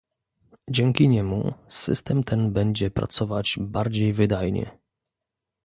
Dzięki niemu system ten będzie pracować bardziej wydajnie